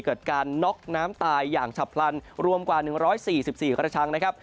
เกิดการน็อกน้ำตายอย่างฉับพลันรวมกว่า๑๔๔กระชังนะครับ